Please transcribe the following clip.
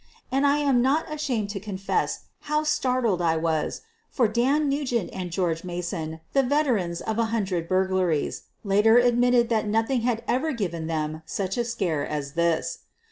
And I am not ashamed to confess how startled I was, for Dan Nugent and George Mason, the veterans of a hundred burglaries, later admitted that nothing had ever given them such a scare as this.